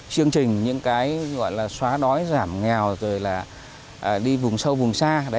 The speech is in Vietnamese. chương trình những cái gọi là xóa đói giảm nghèo rồi là đi vùng sâu vùng xa